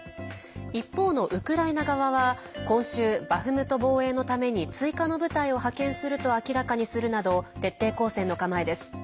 一方のウクライナ側は今週、バフムト防衛のために追加の部隊を派遣すると明らかにするなど徹底抗戦の構えです。